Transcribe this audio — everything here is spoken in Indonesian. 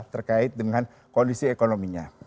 terkait dengan kondisi ekonominya